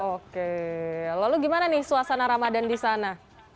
oke lalu gimana nih suasana ramadan di sana